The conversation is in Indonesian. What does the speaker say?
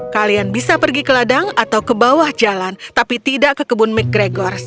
kalian bisa pergi ke ladang atau ke bawah jalan tapi tidak ke kebun mcgregors